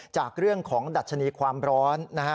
จากเรื่องของดัชนีความร้อนนะฮะ